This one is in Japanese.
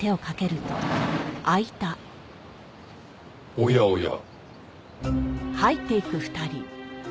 おやおや。